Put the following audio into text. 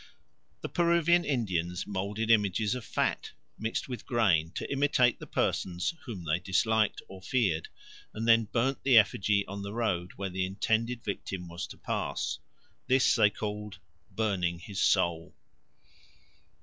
The Peruvian Indians moulded images of fat mixed with grain to imitate the persons whom they disliked or feared, and then burned the effigy on the road where the intended victim was to pass. This they called burning his soul.